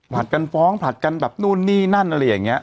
ผลัดกันฟ้องผลัดกันแบบนู่นนี่นั่นอะไรอย่างนี้